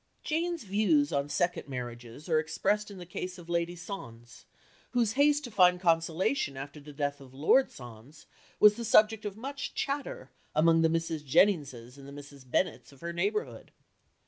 Jane's views on second marriages are expressed in the case of Lady Sondes, whose haste to find consolation after the death of Lord Sondes was the subject of much chatter among the Mrs. Jenningses and Mrs. Bennets of her neighbourhood.